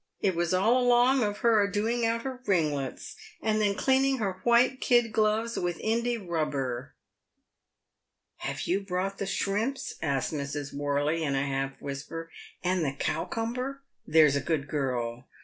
"It was all along of her a doing out her ringlets, and then cleaning her white kid gloves with Indey rubber." PAVED WITH GOLD. 145 " Have you brought the shrimps ?" asked Mrs. Wortey, in a half whisper, "and the cowcumber? — there's a good girl.